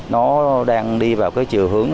nó đang đi vào chiều hướng